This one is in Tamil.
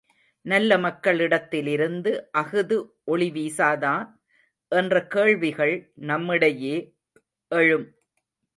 நல்ல மக்களிடத்திலிருந்து அஃது ஒளி வீசாதா? என்ற கேள்விகள் நம்மிடையே எழும்.